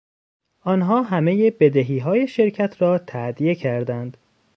آنها همهی بدهیهای شرکت را تادیه کردند.